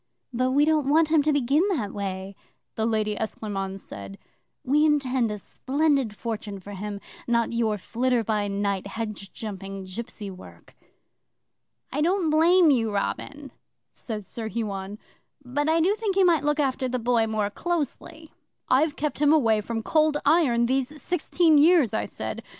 '"But we don't want him to begin that way," the Lady Esclairmonde said. "We intend a splendid fortune for him not your flitter by night, hedge jumping, gipsy work." '"I don't blame you, Robin," says Sir Huon, "but I do think you might look after the Boy more closely." '"I've kept him away from Cold Iron these sixteen years," I said.